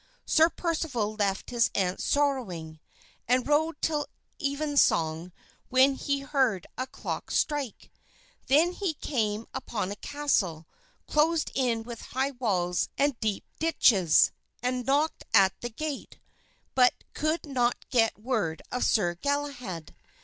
Sir Percival left his aunt sorrowing, and rode till evensong when he heard a clock strike. Then he came upon a castle closed in with high walls and deep ditches, and knocked at the gate, but could get no word of Sir Galahad.